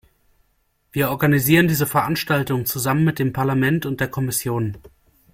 Wir organisieren diese Veranstaltung zusammen mit dem Parlament und der Kommission.